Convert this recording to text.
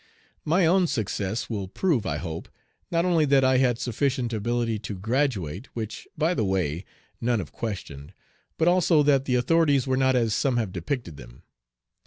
My own success will prove, I hope, not only that I had sufficient ability to graduate which by the way none have questioned but also that the authorities were not as some have depicted them.